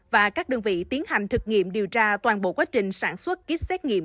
và các đơn vị tiến hành thực nghiệm điều tra toàn bộ quá trình sản xuất kýt xét nghiệm